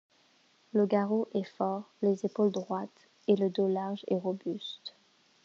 Le garrot est fort, les épaules droites et le dos large et robuste.